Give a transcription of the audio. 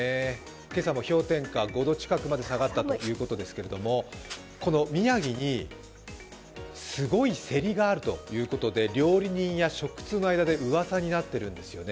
今朝も氷点下５度近くまで下がったということですけれども宮城にすごいセリがあるということで、料理人や食通の間でうわさになっているんですよね。